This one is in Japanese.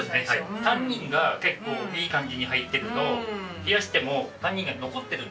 タンニンが結構いい感じに入ってると冷やしてもタンニンが残ってる。